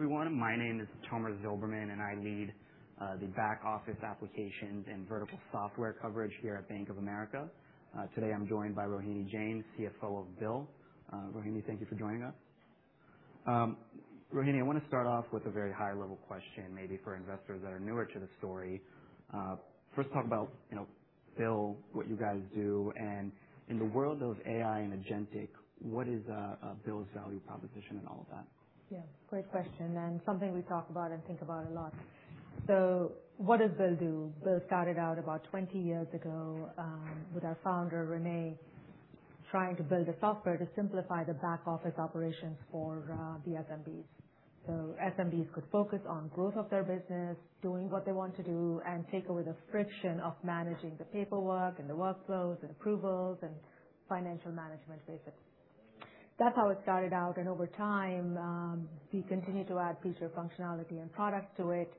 Good morning, everyone. My name is Tomer Zilberman, and I lead the back office applications and vertical software coverage here at Bank of America. Today I'm joined by Rohini Jain, CFO of BILL. Rohini, thank you for joining us. Rohini, I want to start off with a very high-level question maybe for investors that are newer to the story. First, talk about BILL, what you guys do, and in the world of AI and agentic, what is BILL's value proposition in all of that? Yeah, great question, something we talk about and think about a lot. What does BILL do? BILL started out about 20 years ago with our founder, René, trying to build a software to simplify the back office operations for the SMBs. SMBs could focus on growth of their business, doing what they want to do, and take away the friction of managing the paperwork and the workflows and approvals and financial management basics. That's how it started out, over time, we continued to add feature functionality and products to it.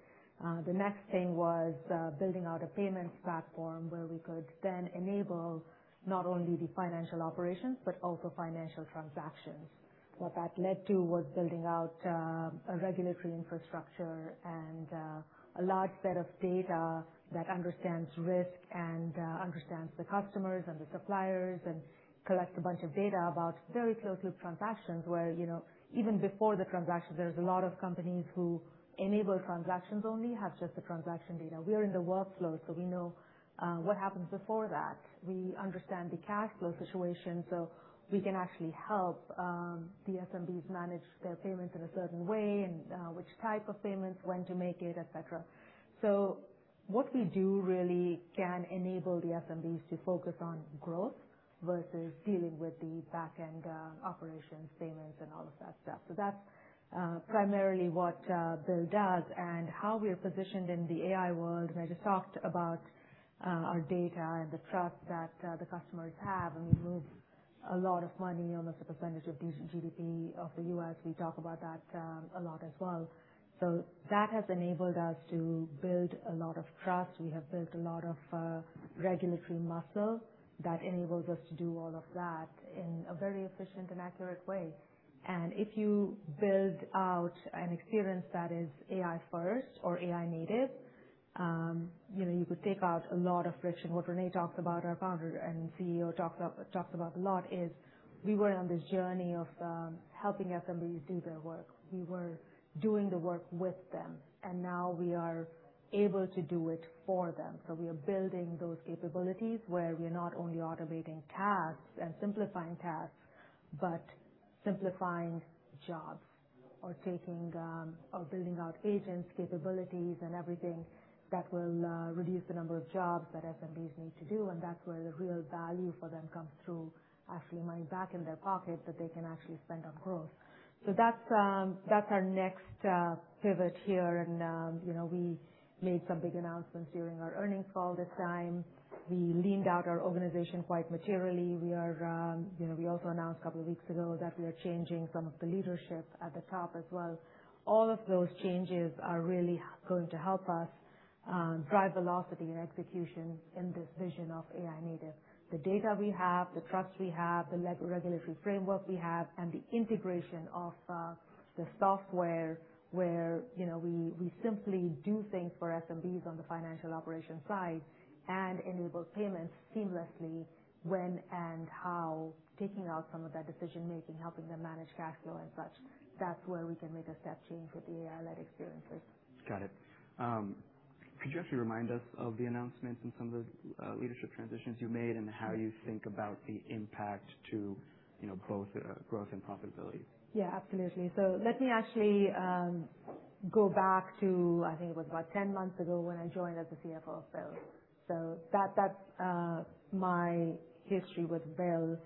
The next thing was building out a payments platform where we could then enable not only the financial operations but also financial transactions. What that led to was building out a regulatory infrastructure and a large set of data that understands risk and understands the customers and the suppliers and collects a bunch of data about very closely transactions, where even before the transaction, there's a lot of companies who enable transactions only have just the transaction data. We are in the workflow, we know what happens before that. We understand the cash flow situation, we can actually help the SMBs manage their payments in a certain way and which type of payments, when to make it, et cetera. What we do really can enable the SMBs to focus on growth versus dealing with the back end operations payments and all of that stuff. That's primarily what BILL does and how we are positioned in the AI world, and I just talked about our data and the trust that the customers have, and we move a lot of money on the percentage of GDP of the U.S. We talk about that a lot as well. That has enabled us to build a lot of trust. We have built a lot of regulatory muscle that enables us to do all of that in a very efficient and accurate way. If you build out an experience that is AI first or AI native you could take out a lot of friction. What René talks about, our Founder and CEO talks about a lot is we were on this journey of helping SMBs do their work. We were doing the work with them, and now we are able to do it for them. We are building those capabilities where we are not only automating tasks and simplifying tasks, but simplifying jobs or building out agents, capabilities, and everything that will reduce the number of jobs that SMBs need to do. That's where the real value for them comes through actually money back in their pocket that they can actually spend on growth. That's our next pivot here. We made some big announcements during our earnings call this time. We leaned out our organization quite materially. We also announced a couple of weeks ago that we are changing some of the leadership at the top as well. All of those changes are really going to help us drive velocity and execution in this vision of AI native. The data we have, the trust we have, the regulatory framework we have, and the integration of the software where we simply do things for SMBs on the financial operations side and enable payments seamlessly when and how, taking out some of that decision-making, helping them manage cash flow and such. That's where we can make a step change with the AI-led experiences. Got it. Could you actually remind us of the announcements and some of the leadership transitions you made and how you think about the impact to both growth and profitability? Yeah, absolutely. Let me actually go back to, I think it was about 10 months ago when I joined as the CFO of BILL. That's my history with BILL.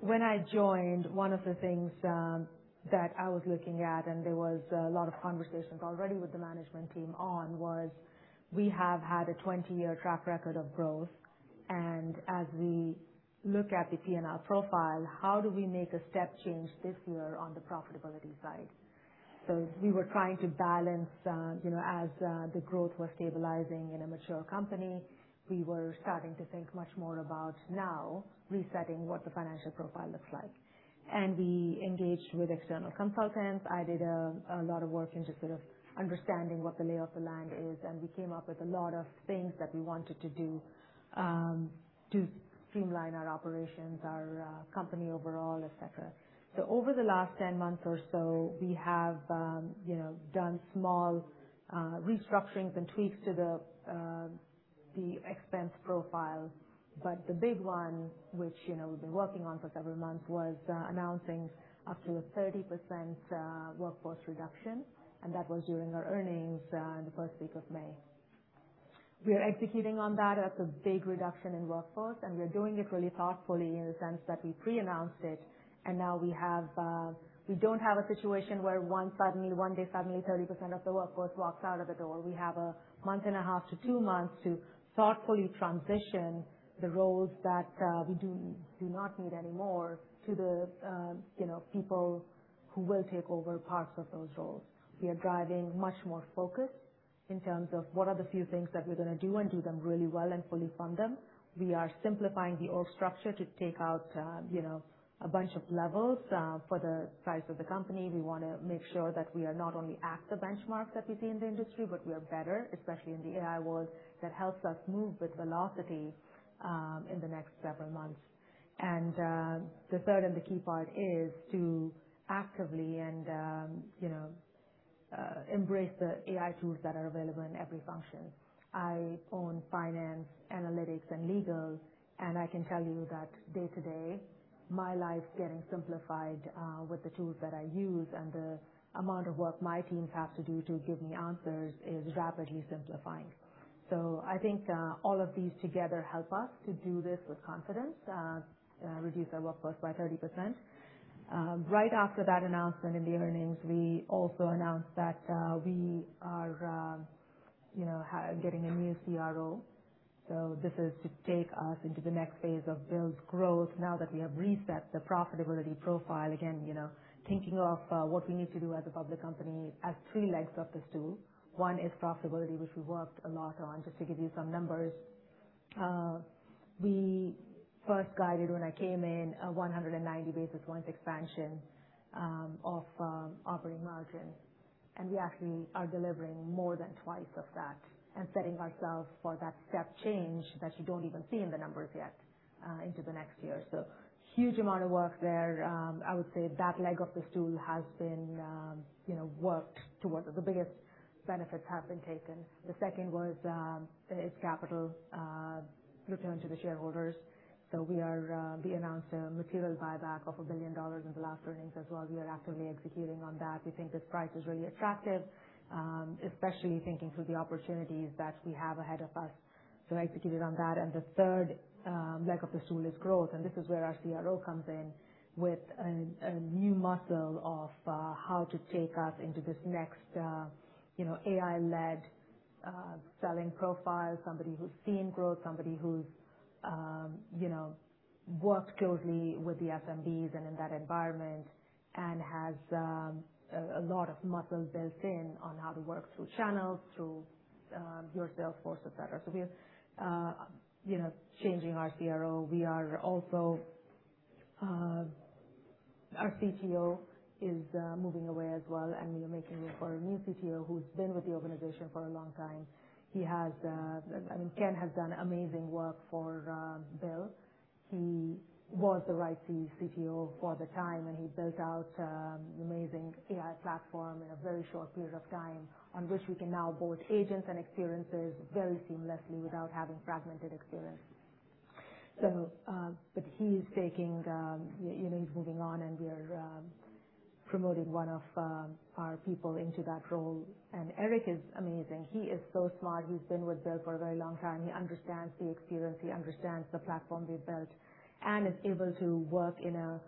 When I joined, one of the things that I was looking at, and there was a lot of conversations already with the management team on was we have had a 20-year track record of growth, and as we look at the P&L profile, how do we make a step change this year on the profitability side? We were trying to balance as the growth was stabilizing in a mature company, we were starting to think much more about now resetting what the financial profile looks like. We engaged with external consultants. I did a lot of work in just sort of understanding what the lay of the land is. We came up with a lot of things that we wanted to do to streamline our operations, our company overall, et cetera. Over the last 10 months or so, we have done small restructurings and tweaks to the expense profile. The big one, which we've been working on for several months, was announcing up to a 30% workforce reduction. That was during our earnings in the first week of May. We are executing on that. That's a big reduction in workforce. We are doing it really thoughtfully in the sense that we pre-announced it. Now we don't have a situation where one day suddenly 30% of the workforce walks out of the door. We have a month and a half to two months to thoughtfully transition the roles that we do not need anymore to the people who will take over parts of those roles. We are driving much more focus in terms of what are the few things that we're going to do and do them really well and fully fund them. We are simplifying the org structure to take out a bunch of levels for the size of the company. We want to make sure that we are not only at the benchmarks that we see in the industry, but we are better, especially in the AI world, that helps us move with velocity in the next several months. The third, and the key part is to actively embrace the AI tools that are available in every function. I own finance, analytics, and legal, and I can tell you that day to day, my life's getting simplified with the tools that I use, and the amount of work my teams have to do to give me answers is rapidly simplifying. I think all of these together help us to do this with confidence, reduce our workforce by 30%. Right after that announcement in the earnings, we also announced that we are getting a new CRO. This is to take us into the next phase of BILL's growth now that we have reset the profitability profile. Again, thinking of what we need to do as a public company as three legs of the stool. One is profitability, which we worked a lot on. Just to give you some numbers, we first guided when I came in, a 190 basis points expansion of operating margin. We actually are delivering more than twice of that and setting ourselves for that step change that you don't even see in the numbers yet into the next year. Huge amount of work there. I would say that leg of the stool has been worked towards it. The biggest benefits have been taken. The second was, is capital returned to the shareholders. We announced a material buyback of $1 billion in the last earnings as well. We are actively executing on that. We think this price is really attractive, especially thinking through the opportunities that we have ahead of us to execute it on that. The third leg of the stool is growth. This is where our CRO comes in with a new muscle of how to take us into this next AI-led selling profile. Somebody who's seen growth, somebody who's worked closely with the SMBs and in that environment and has a lot of muscle built in on how to work through channels, through your sales force, et cetera. We are changing our CRO. Our CTO is moving away as well, and we are making way for a new CTO who's been with the organization for a long time. Ken has done amazing work for BILL. He was the right CTO for the time, and he built out an amazing AI platform in a very short period of time on which we can now board agents and experiences very seamlessly without having fragmented experience. He's moving on, and we're promoting one of our people into that role. Eric is amazing. He is so smart. He's been with BILL for a very long time. He understands the experience, he understands the platform we've built, and is able to work in a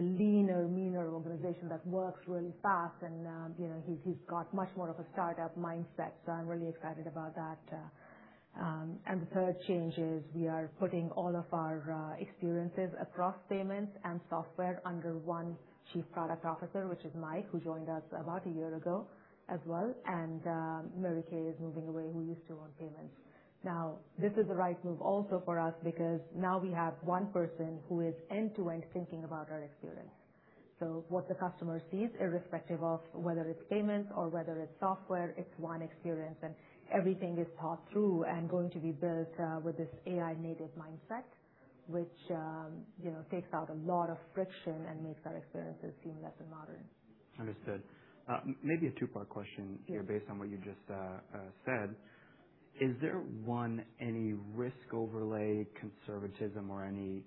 leaner, meaner organization that works really fast. He's got much more of a startup mindset, so I'm really excited about that. The third change is we are putting all of our experiences across payments and software under one Chief Product Officer, which is Mike, who joined us about a year ago as well. Mary Kay is moving away, who used to own payments. Now, this is the right move also for us because now we have one person who is end to end thinking about our experience. What the customer sees, irrespective of whether it's payments or whether it's software, it's one experience and everything is thought through and going to be built with this AI-native mindset, which takes out a lot of friction and makes our experiences seamless and modern. Understood. Maybe a two-part question here based on what you just said. Is there, one, any risk overlay conservatism or any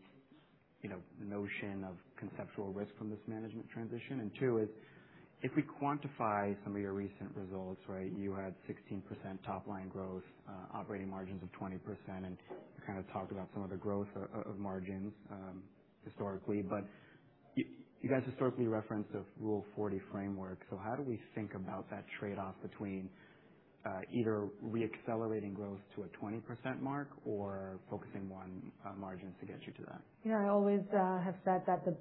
notion of conceptual risk from this management transition? Two is, if we quantify some of your recent results, right? You had 16% top-line growth, operating margins of 20%, and you talked about some of the growth of margins historically. You guys historically reference a Rule of 40 framework. How do we think about that trade-off between either re-accelerating growth to a 20% mark or focusing on margins to get you to that? Yeah, I always have said that the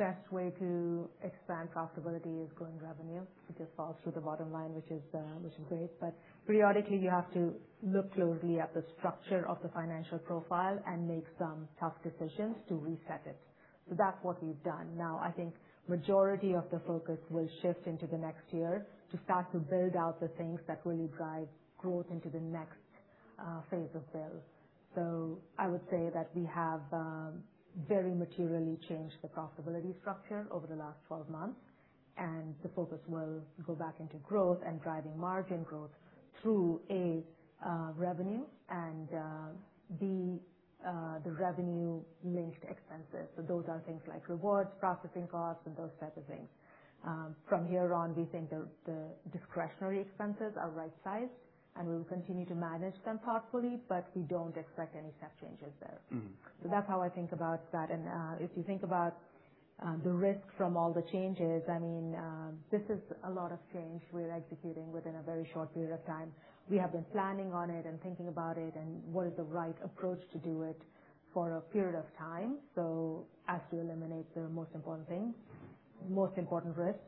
best way to expand profitability is growing revenue. It just falls through the bottom line, which is great. Periodically you have to look closely at the structure of the financial profile and make some tough decisions to reset it. That's what we've done. Now, I think majority of the focus will shift into the next year to start to build out the things that will guide growth into the next phase of BILL. I would say that we have very materially changed the profitability structure over the last 12 months, and the focus will go back into growth and driving margin growth through, A, revenue, and B, the revenue-linked expenses. Those are things like rewards, processing costs, and those types of things. From here on, we think the discretionary expenses are right-sized, and we will continue to manage them thoughtfully, but we don't expect any step changes there. That's how I think about that. If you think about the risk from all the changes, this is a lot of change we're executing within a very short period of time. We have been planning on it and thinking about it and what is the right approach to do it for a period of time. As to eliminate the most important risks.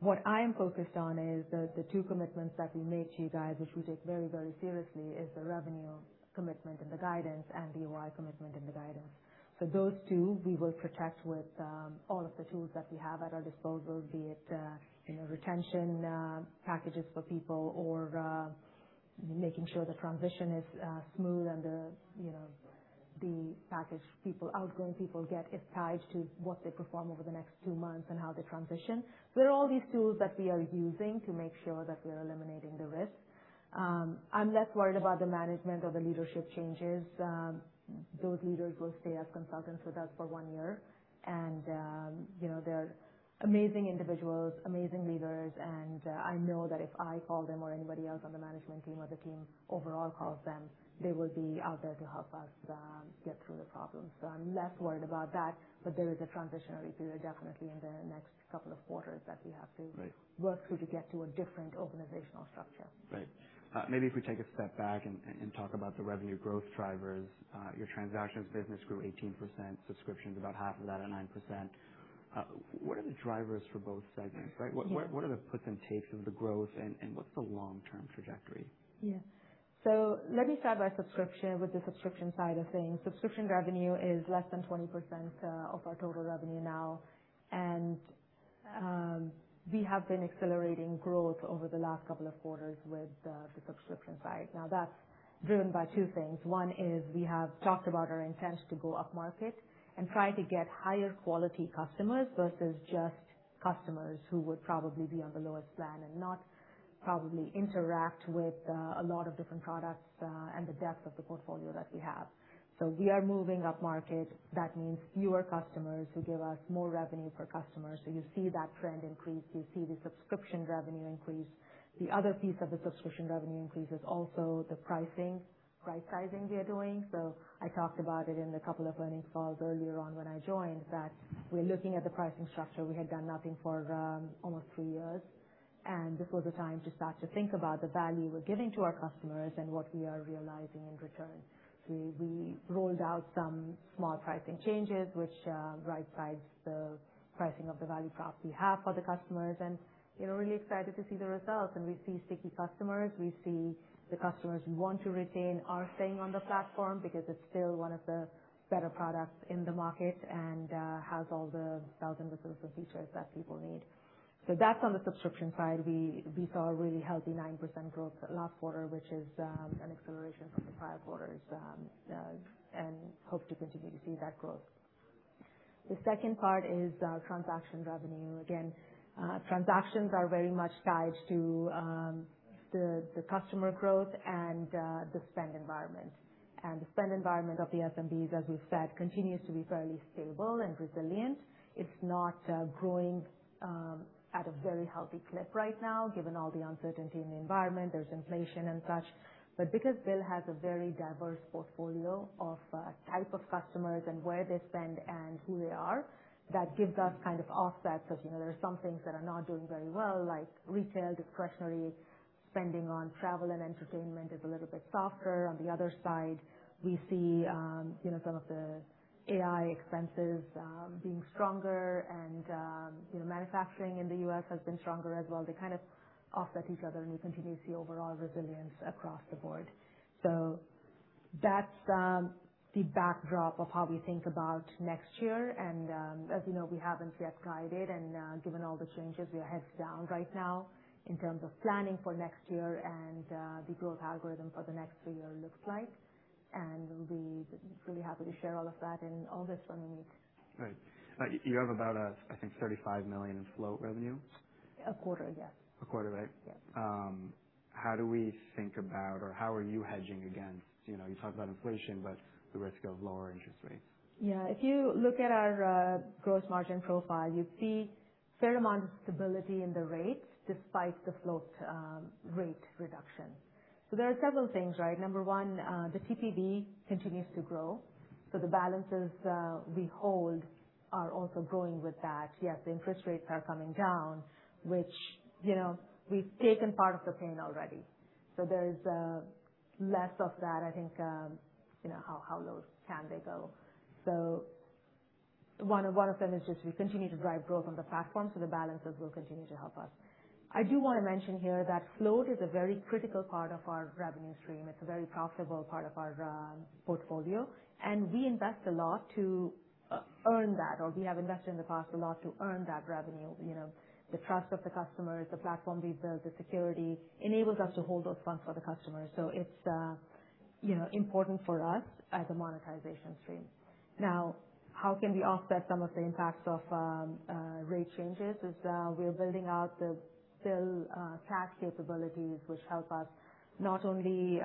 What I am focused on is the two commitments that we made to you guys, which we take very, very seriously, is the revenue commitment and the guidance and the ROI commitment and the guidance. Those two, we will protect with all of the tools that we have at our disposal, be it retention packages for people or making sure the transition is smooth and the outgoing people get is tied to what they perform over the next two months and how they transition. There are all these tools that we are using to make sure that we are eliminating the risks. I'm less worried about the management or the leadership changes. Those leaders will stay as consultants with us for one year. They're amazing individuals, amazing leaders, and I know that if I call them or anybody else on the management team or the team overall calls them, they will be out there to help us get through the problems. I'm less worried about that, but there is a transitionary period definitely in the next couple of quarters. That we have to Right work through to get to a different organizational structure. Right. Maybe if we take a step back and talk about the revenue growth drivers. Your transactions business grew 18%, subscriptions about half of that at 9%. What are the drivers for both segments, right? Yeah. What are the puts and takes of the growth and what's the long-term trajectory? Yeah. Let me start with the subscription side of things. Subscription revenue is less than 20% of our total revenue now. We have been accelerating growth over the last couple of quarters with the subscription side. That's driven by two things. One is we have talked about our intent to go up market and try to get higher quality customers versus just customers who would probably be on the lowest plan and not probably interact with a lot of different products and the depth of the portfolio that we have. We are moving up market. That means fewer customers who give us more revenue per customer. You see that trend increase, you see the subscription revenue increase. The other piece of the subscription revenue increase is also the price sizing we are doing. I talked about it in a couple of earnings calls earlier on when I joined, that we're looking at the pricing structure. We had done nothing for almost three years, and this was the time to start to think about the value we're giving to our customers and what we are realizing in return. We rolled out some small pricing changes, which resizes the pricing of the value prop we have for the customers, and we're really excited to see the results. We see sticky customers. We see the customers who want to retain are staying on the platform because it's still one of the better products in the market and has all the bells and whistles and features that people need. That's on the subscription side. We saw a really healthy 9% growth last quarter, which is an acceleration from the prior quarters, and hope to continue to see that growth. The second part is transaction revenue. Again, transactions are very much tied to the customer growth and the spend environment. The spend environment of the SMBs, as we've said, continues to be fairly stable and resilient. It's not growing at a very healthy clip right now, given all the uncertainty in the environment. There's inflation and such but because BILL has a very diverse portfolio of type of customers and where they spend and who they are, that gives us kind of offsets. As you know, there are some things that are not doing very well, like retail, discretionary spending on travel and entertainment is a little bit softer. On the other side, we see some of the AI expenses being stronger and manufacturing in the U.S. has been stronger as well. They kind of offset each other, and we continue to see overall resilience across the board. That's the backdrop of how we think about next year. As you know, we haven't yet guided and given all the changes, we are heads down right now in terms of planning for next year. We'll be really happy to share all of that in August when we meet. Right. You have about, I think, $35 million in float revenue. A quarter, yes. A quarter, right? Yes. How do we think about or how are you hedging against, you talked about inflation, but the risk of lower interest rates? If you look at our gross margin profile, you see a fair amount of stability in the rates despite the float rate reduction. There are several things, right? Number one, the TPV continues to grow, so the balances we hold are also growing with that. Yes, interest rates are coming down, which we've taken part of the pain already. There's less of that, I think, how low can they go. One of them is just we continue to drive growth on the platform, so the balances will continue to help us. I do want to mention here that float is a very critical part of our revenue stream. It's a very profitable part of our portfolio, and we invest a lot to earn that, or we have invested in the past a lot to earn that revenue. The trust of the customers, the platform we've built, the security enables us to hold those funds for the customers. It's important for us as a monetization stream. How can we offset some of the impacts of rate changes is we're building out the BILL Cash capabilities, which help us not only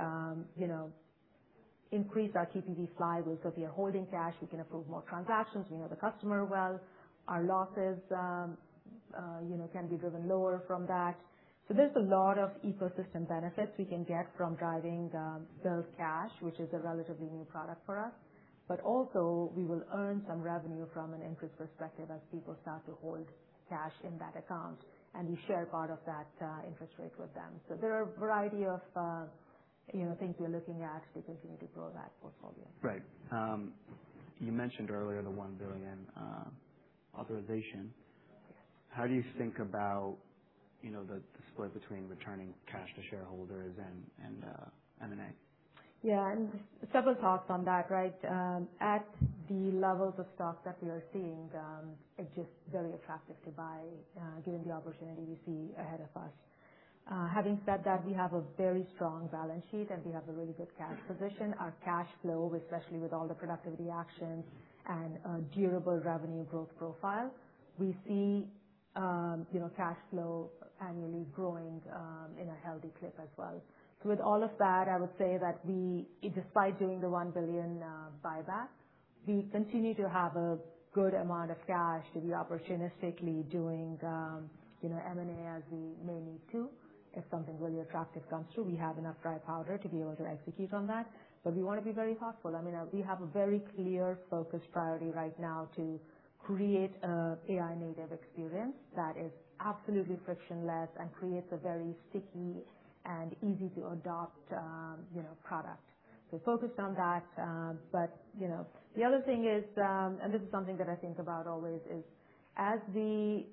increase our TPV flywheels because we are holding cash, we can approve more transactions. We know the customer well. Our losses can be driven lower from that. There's a lot of ecosystem benefits we can get from driving BILL Cash, which is a relatively new product for us. Also, we will earn some revenue from an interest perspective as people start to hold cash in that account, and we share part of that interest rate with them. There are a variety of things we're looking at to continue to grow that portfolio. Right. You mentioned earlier the $1 billion authorization. How do you think about the split between returning cash to shareholders and M&A? Yeah. Several thoughts on that, right? At the levels of stock that we are seeing, it's just very attractive to buy, given the opportunity we see ahead of us. Having said that, we have a very strong balance sheet, and we have a really good cash position. Our cash flow, especially with all the productivity actions and durable revenue growth profile, we see cash flow annually growing in a healthy clip as well. With all of that, I would say that despite doing the $1 billion buyback, we continue to have a good amount of cash to be opportunistically doing M&A as we may need to. If something really attractive comes through, we have enough dry powder to be able to execute on that. We want to be very thoughtful. We have a very clear focus priority right now to create an AI-native experience that is absolutely frictionless and creates a very sticky and easy-to-adopt product. Focused on that. The other thing is, and this is something that I think about always, is as we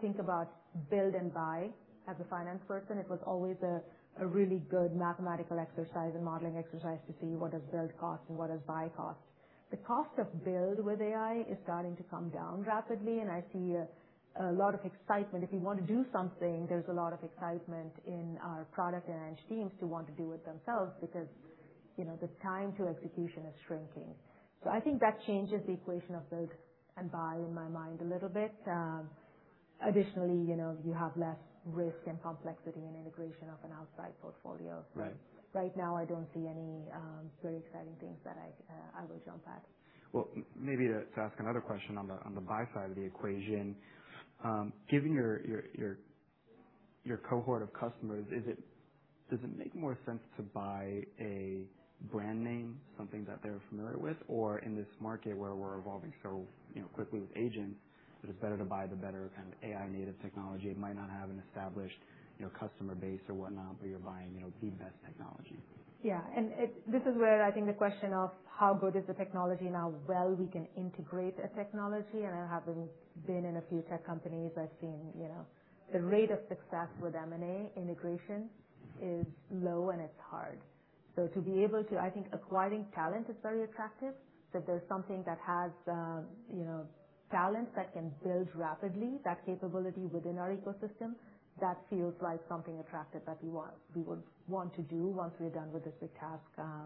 think about build and buy, as a finance person, it was always a really good mathematical exercise and modeling exercise to see what does build cost and what does buy cost. The cost of build with AI is starting to come down rapidly, and I see a lot of excitement. If we want to do something, there's a lot of excitement in our product and [esteemed] to want to do it themselves because the time to execution is shrinking. I think that changes the equation of build and buy in my mind a little bit. Additionally, you have less risk and complexity in integration of an outside portfolio. Right. Right now, I don't see any very exciting things that I would jump at. Well, maybe to ask another question on the buy side of the equation. Given your cohort of customers, does it make more sense to buy a brand name, something that they're familiar with, or in this market where we're evolving so quickly with agents, that it's better to buy the better AI-native technology? It might not have an established customer base right now, but you're buying the best technology. Yeah. This is where I think the question of how good is the technology and how well we can integrate a technology, and having been in a few tech companies, I've seen the rate of success with M&A integration is low and it's hard. I think acquiring talent is very attractive. If there's something that has talent that can build rapidly, that capability within our ecosystem, that feels like something attractive that we would want to do once we're done with this big task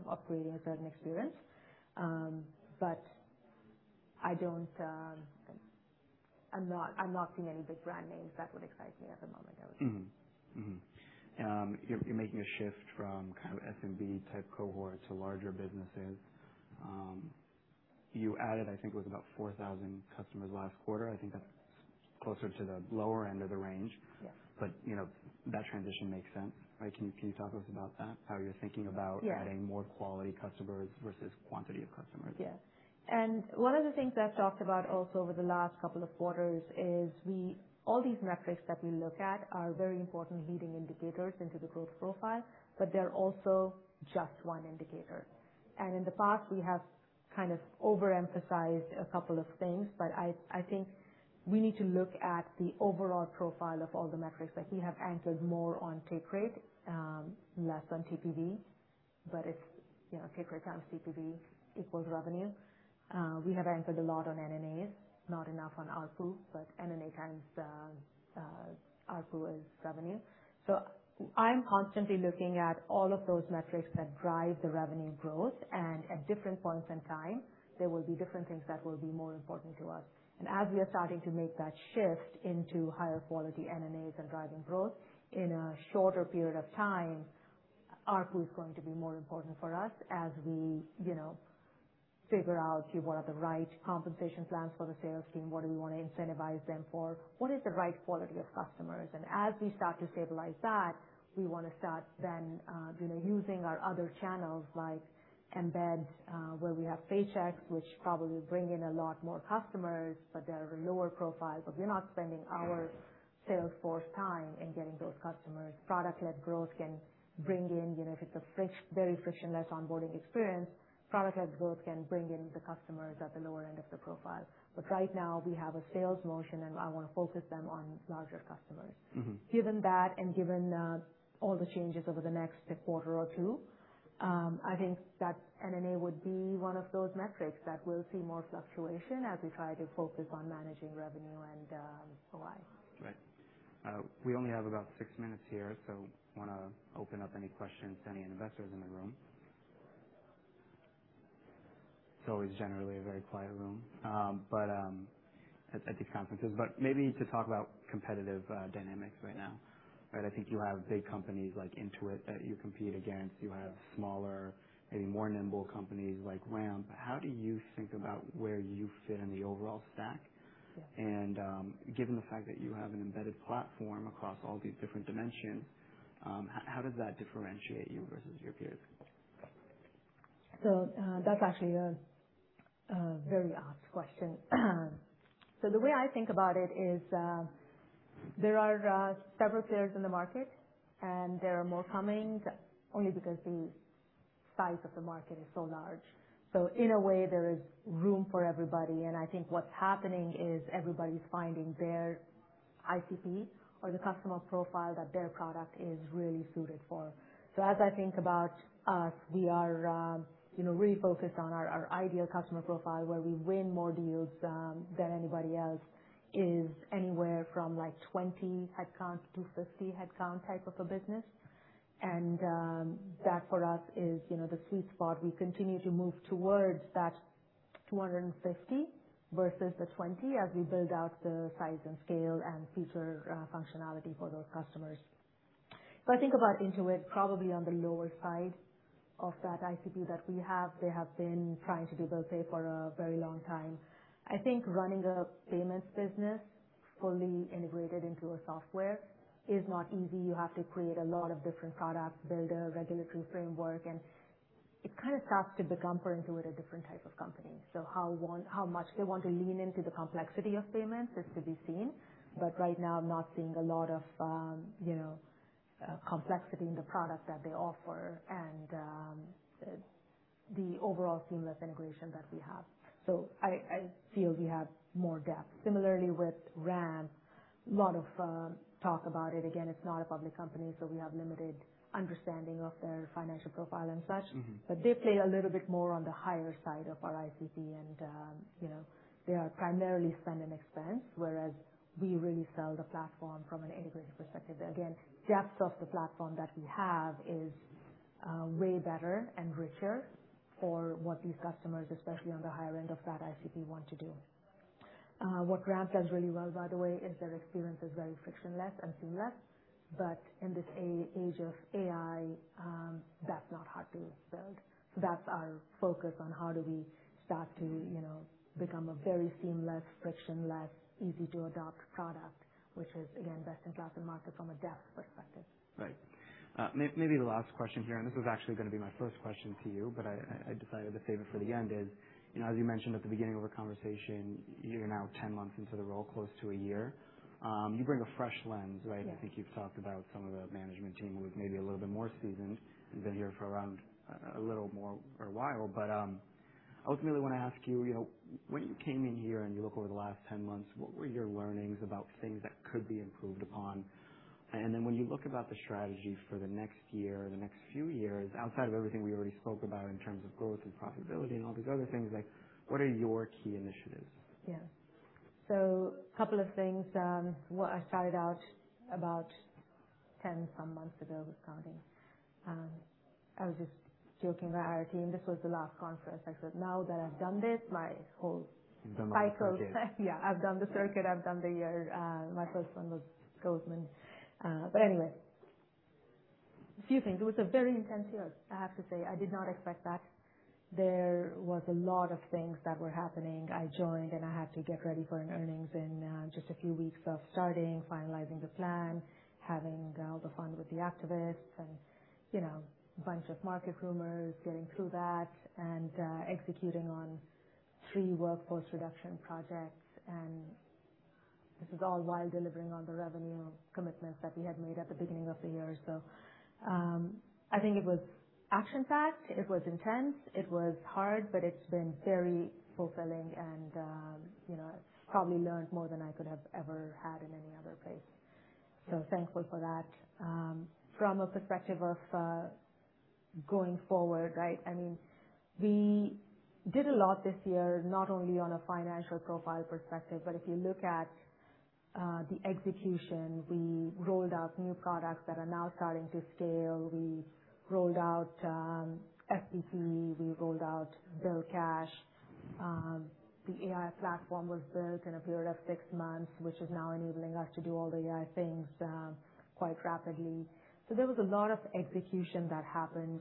of creating a certain experience. I'm not seeing any big brand names that would excite me at the moment, I would say. You're making a shift from SMB-type cohort to larger businesses. You added, I think it was about 4,000 customers last quarter. I think that's closer to the lower end of the range. Yes. That transition makes sense, right? Can you talk to us about that? Or you are thinking about Yeah adding more quality customers versus quantity of customers? Yeah. One of the things I've talked about also over the last couple of quarters is all these metrics that we look at are very important leading indicators into the growth profile, but they're also just one indicator. In the past, we have overemphasized a couple of things. I think we need to look at the overall profile of all the metrics. Like we have anchored more on take rate, less on TPV, but it's take rate times TPV equals revenue. We have anchored a lot on NNAs, not enough on ARPU, but NNA times ARPU is revenue. I'm constantly looking at all of those metrics that drive the revenue growth. At different points in time, there will be different things that will be more important to us. As we are starting to make that shift into higher quality NNAs and driving growth in a shorter period of time, ARPU is going to be more important for us as we figure out what are the right compensation plans for the sales team. What do we want to incentivize them for? What is the right quality of customers? As we start to stabilize that, we want to start then using our other channels like embeds where we have Paychex, which probably bring in a lot more customers, but they're lower profile. We're not spending our sales force time in getting those customers. If it's a very frictionless onboarding experience, product-led growth can bring in the customers at the lower end of the profile. But right now we have a sales motion, and I want to focus them on larger customers. Given that and given all the changes over the next quarter or two, I think that NNA would be one of those metrics that will see more fluctuation as we try to focus on managing revenue and ROI. Right. We only have about six minutes here, want to open up any questions to any investors in the room. It's always generally a very quiet room at these conferences. Maybe to talk about competitive dynamics right now, right? I think you have big companies like Intuit that you compete against. You have smaller, maybe more nimble companies like Ramp. How do you think about where you fit in the overall stack? Yeah. Given the fact that you have an embedded platform across all these different dimensions, how does that differentiate you versus your peers? That's actually a very asked question. The way I think about it is there are several players in the market, and there are more coming only because the size of the market is so large. In a way, there is room for everybody, and I think what's happening is everybody's finding their ICP or the customer profile that their product is really suited for. As I think about us, we are really focused on our ideal customer profile, where we win more deals than anybody else is anywhere from 20 headcount-50 headcount type of a business. That for us is the sweet spot. We continue to move towards that 250 versus the 20 as we build out the size and scale and feature functionality for those customers. If I think about Intuit, probably on the lower side of that ICP that we have. They have been trying to build, say, for a very long time. I think running a payments business fully integrated into a software is not easy. You have to create a lot of different products, build a regulatory framework, and it kind of starts to become, for Intuit, a different type of company. How much they want to lean into the complexity of payments is to be seen. Right now, I'm not seeing a lot of complexity in the product that they offer and the overall seamless integration that we have. I feel we have more depth. Similarly with Ramp, a lot of talk about it. Again, it's not a public company, so we have limited understanding of their financial profile and such. They play a little bit more on the higher side of our ICP, and they are primarily spend and expense, whereas we really sell the platform from an integration perspective. Again, depths of the platform that we have is way better and richer for what these customers, especially on the higher end of that ICP, want to do. What Ramp does really well, by the way, is their experience is very frictionless and seamless. In this age of AI, that's not hard to build. That's our focus on how do we start to become a very seamless, frictionless, easy-to-adopt product, which is, again, best-in-class in the market from a depth perspective. Right. Maybe the last question here, and this was actually going to be my first question to you, but I decided to save it for the end is, as you mentioned at the beginning of our conversation, you are now 10 months into the role, close to a year. You bring a fresh lens, right? Yeah. I think you've talked about some of the management team who is maybe a little bit more seasoned and been here for around a little more for a while. Ultimately, I want to ask you, when you came in here and you look over the last 10 months, what were your learnings about things that could be improved upon? Then when you look about the strategy for the next year, the next few years, outside of everything we already spoke about in terms of growth and profitability and all these other things, what are your key initiatives? A couple of things. What I started out about 10 some months ago with counting. I was just joking with our team. This was the last conference. I said, "Now that I've done this, my whole cycle. Yeah. I've done the circuit, I've done the year. My first one was Goldman. Anyway. A few things. It was a very intense year, I have to say. I did not expect that. There was a lot of things that were happening. I joined, and I had to get ready for an earnings in just a few weeks of starting, finalizing the plan, having all the fun with the activists and a bunch of market rumors, getting through that and executing on three workforce reduction projects. This is all while delivering on the revenue commitments that we had made at the beginning of the year. I think it was action-packed, it was intense, it was hard, but it's been very fulfilling and I've probably learned more than I could have ever had in any other place. Thankful for that. From a perspective of going forward, right? We did a lot this year, not only on a financial profile perspective, but if you look at the execution. We rolled out new products that are now starting to scale. We rolled out SPP. We rolled out BILL Cash. The AI platform was built in a period of six months, which is now enabling us to do all the AI things quite rapidly. There was a lot of execution that happened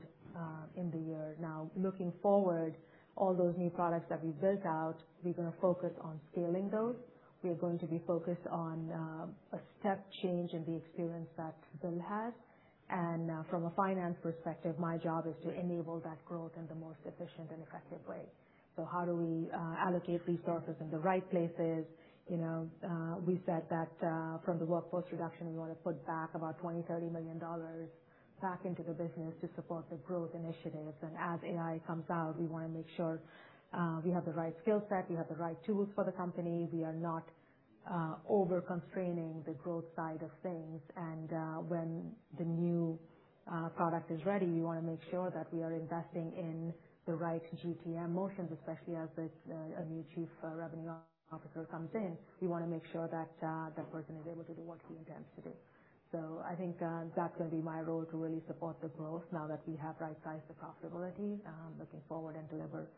in the year. Now, looking forward, all those new products that we built out, we're going to focus on scaling those. We are going to be focused on a step change in the experience that BILL has. From a finance perspective, my job is to enable that growth in the most efficient and effective way. How do we allocate resources in the right places? We said that from the workforce reduction, we want to put back about $20, $30 million back into the business to support the growth initiatives. As AI comes out, we want to make sure we have the right skill set, we have the right tools for the company. We are not over-constraining the growth side of things. When the new product is ready, we want to make sure that we are investing in the right GTM motions, especially as a new chief revenue officer comes in. We want to make sure that person is able to do what he intends to do. I think that's going to be my role, to really support the growth now that we have right-sized the profitability. Looking forward and deliver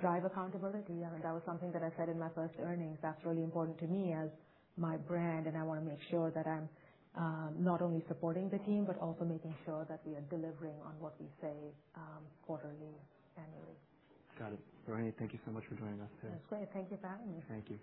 driver accountability. That was something that I said in my first earnings. That's really important to me as my brand, and I want to make sure that I'm not only supporting the team, but also making sure that we are delivering on what we say quarterly, annually. Got it. Rohini, thank you so much for joining us today. That's great. Thank you for having me. Thank you.